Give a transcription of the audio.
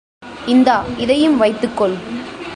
இந்தா இதையும் வைத்துக்கொள்.